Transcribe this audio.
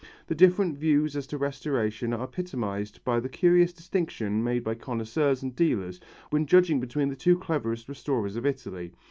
The different views as to restoration are epitomized by the curious distinction made by connoisseurs and dealers, when judging between the two cleverest restorers of Italy.